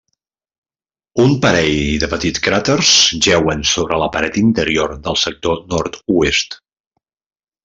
Un parell de petits cràters jeuen sobre la paret interior del sector nord-oest.